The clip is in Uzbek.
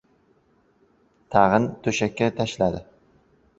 Tag‘in to‘shakka tashladi.